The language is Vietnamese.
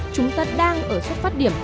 chúng ta đang ở xuất phát điểm